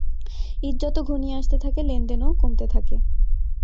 ঈদ যত ঘনিয়ে আসতে থাকে, লেনদেনও কমতে থাকে।